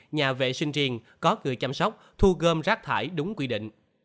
nhà vệ sinh riêng có người chăm sóc thu gom rác thải đúng quy định